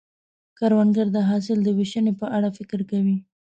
کروندګر د حاصل د ویشنې په اړه فکر کوي